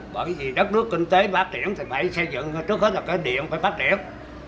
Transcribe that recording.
bởi vì đất nước kinh tế phát triển thì phải xây dựng trước hết là cái điện phải phát triển